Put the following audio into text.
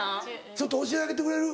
ちょっと教えてあげてくれる？